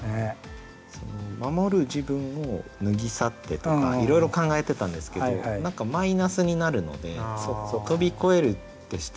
「守る自分を脱ぎ去って」とかいろいろ考えてたんですけど何かマイナスになるので「飛びこえる」ってしたいなっていう。